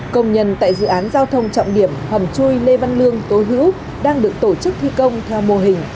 công nhân tại dự án giao thông trọng điểm hầm chui lê văn lương tố hữu đang được tổ chức thi công theo mô hình